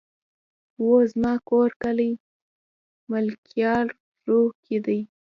وو زما کور کلي ملكيارو کې دی